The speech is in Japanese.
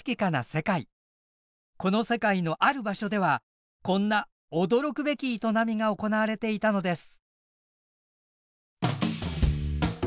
この世界のある場所ではこんな驚くべき営みが行われていたのです。